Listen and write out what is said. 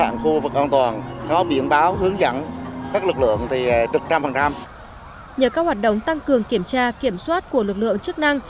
nhờ các hoạt động tăng cường kiểm tra kiểm soát của lực lượng chức năng